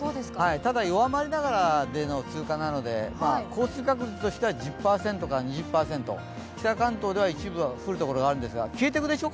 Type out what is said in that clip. ただ、弱まりながらでの通過なので降水確率としては１０％から２０％、北関東では一部、降る所があるんですが、消えていくでしょ。